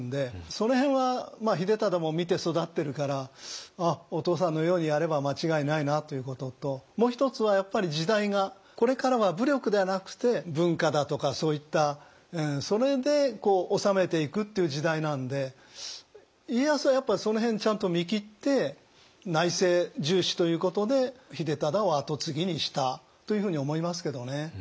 その辺は秀忠も見て育ってるからお父さんのようにやれば間違いないなということともう一つはやっぱり時代がこれからは武力ではなくて文化だとかそういったそれで治めていくっていう時代なんで家康はやっぱりその辺ちゃんと見切って内政重視ということで秀忠を跡継ぎにしたというふうに思いますけどね。